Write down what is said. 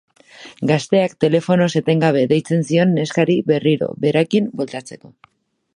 Gazteak telefonoz etengabe deitzen zion neskari berriro berekin bueltatzeko.